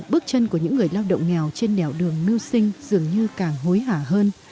bước chân của những người lao động nghèo trên đèo đường miu sinh dường như càng hối hả hơn